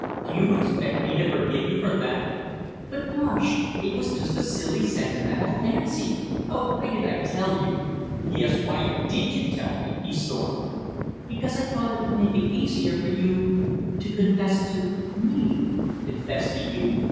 Do you expect me to forgive you for that " "But Marsh, it was just a silly sentimental fancy! Oh, why did I tell you!" "Yes, why did you tell me!" he stormed. "Because I thought it would make it easier for you to confess to me " "Confess to you?